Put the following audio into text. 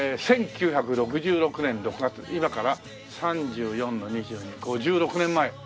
１９６６年６月今から３４の２２５６年前。